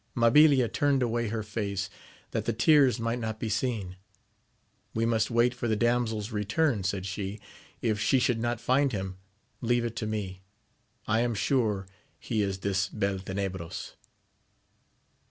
Mabilia turned away her face, that the tears might not be seen : We must wait for the damseFs return, said she ; if she should not find him, leave it to me : I am sure he is this Beltenebros.